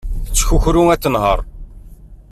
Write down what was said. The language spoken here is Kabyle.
Tettkukru ad tenher.